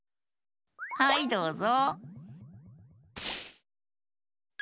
はいどうぞ。